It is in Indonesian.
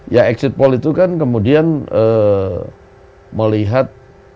ya exit poll itu kan kemudian melihat